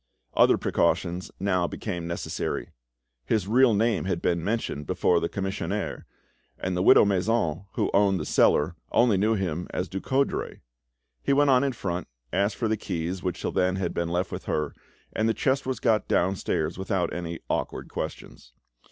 Other precautions now became necessary. His real name had been mentioned before the commissionaire, and the widow Masson, who owned the cellar, only knew him as Ducoudray. He went on in front, asked for the keys, which till then had been left with her, and the chest was got downstairs without any awkward questions.